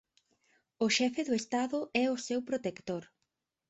O xefe do Estado é o seu protector.